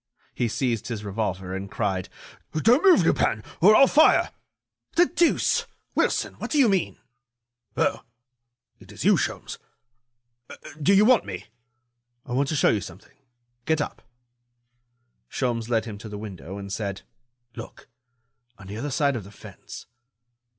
He seized his revolver, and cried: "Don't move, Lupin, or I'll fire." "The deuce! Wilson, what do you mean?" "Oh! it is you, Sholmes. Do you want me?" "I want to show you something. Get up." Sholmes led him to the window, and said: "Look!... on the other side of the fence...."